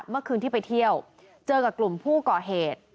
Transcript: เมื่อคืนที่ไปเที่ยวเจอกับกลุ่มผู้ก่อเหตุ